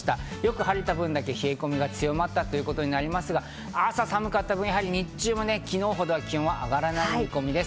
よく晴れた分だけ冷え込みが強かったことになりますが、朝寒かった分、日中も昨日ほど気温は上がらない見込みです。